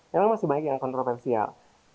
memang masih banyak yang kontroversial